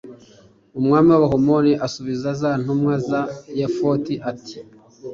umwami w'abahamoni asubiza za ntumwa za yefute, ati